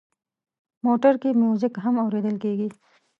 موټر کې میوزیک هم اورېدل کېږي.